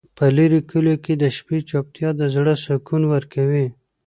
په لرې کلیو کې د شپې چوپتیا د زړه سکون ورکوي.